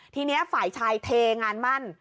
ทีนี้ฝ่ายชายเทงานมั่น